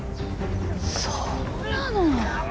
そうなの。